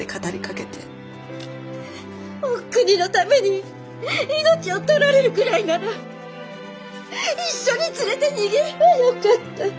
お国のために命を取られるくらいなら一緒に連れて逃げればよかった。